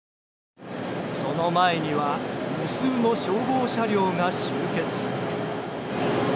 その前には無数の消防車両が集結。